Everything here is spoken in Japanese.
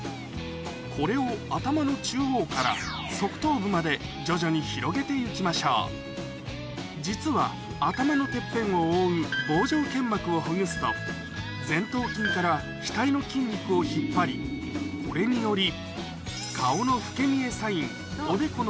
これを頭の中央から側頭部まで徐々に広げて行きましょう実は頭のてっぺんを覆う帽状腱膜をほぐすと前頭筋から額の筋肉を引っ張りこれにより顔の老け見えサイン